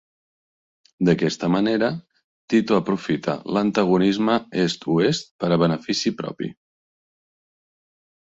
D'aquesta manera, Tito aprofita l'antagonisme est-oest per a benefici propi.